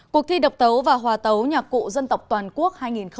cuộc thi độc tấu và hòa tấu nhạc cụ dân tộc toàn quốc hai nghìn hai mươi